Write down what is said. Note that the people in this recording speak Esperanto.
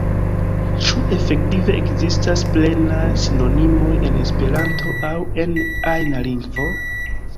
Ĉu efektive ekzistas plenaj sinonimoj en Esperanto aŭ en ajna lingvo?